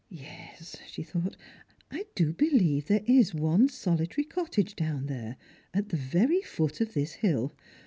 " Yes," she thought, " I do believe there is one solitary cottage down there, at the very foot of this hill.